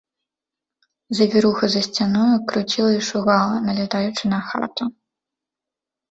Завіруха за сцяною круціла і шугала, налятаючы на хату.